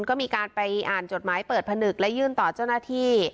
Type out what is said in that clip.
ก็มีการไปอ่านจดหมายเปิดผนึกและยื่นต่อเจ้าหน้าที่